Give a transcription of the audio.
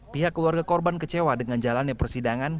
pihak keluarga korban kecewa dengan jalannya persidangan